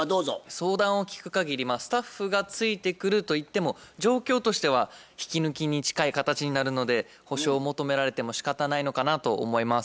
相談を聞くかぎりスタッフがついてくるといっても状況としては引き抜きに近い形になるので補償を求められてもしかたないのかなと思います。